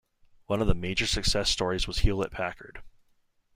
One of the major success stories was Hewlett-Packard.